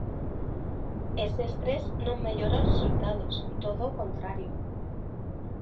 Ese estrés non mellora os resultados, todo o contrario.